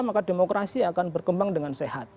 maka demokrasi akan berkembang dengan sehat